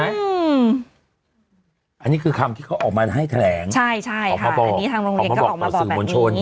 อันนี้คือคำที่เขาออกมาให้แขลงออกมาบอกต่อสื่อบนชน